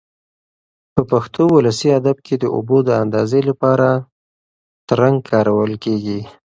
په پښتو ولسي ادب کې د اوبو د اندازې لپاره ترنګ کارول کېږي.